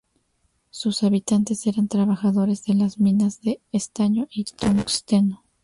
Sus habitantes eran trabajadores de las minas de estaño y tungsteno.